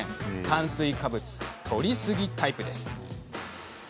炭水化物とりすぎタイプです。